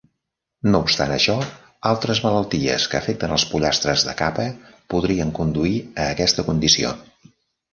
No obstant això, altres malalties que afecten els pollastres de capa podrien conduir a aquesta condició.